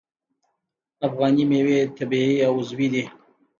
افغاني میوې طبیعي او عضوي دي.